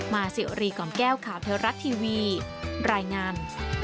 มาเซียวรีก่อมแก้วขาวเทอรัสทีวีรายงาน